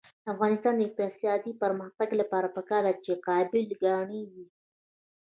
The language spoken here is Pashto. د افغانستان د اقتصادي پرمختګ لپاره پکار ده چې قابله ګانې وي.